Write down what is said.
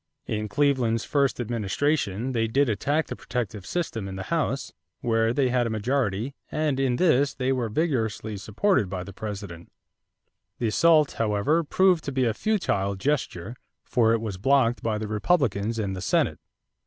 In Cleveland's first administration they did attack the protective system in the House, where they had a majority, and in this they were vigorously supported by the President. The assault, however, proved to be a futile gesture for it was blocked by the Republicans in the Senate.